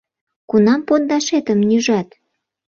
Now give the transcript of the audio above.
— Кунам пондашетым нӱжат?